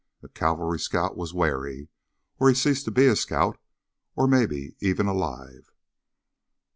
A cavalry scout was wary, or he ceased to be a scout, or maybe even alive.